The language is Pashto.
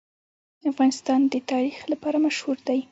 افغانستان د تاریخ لپاره مشهور دی.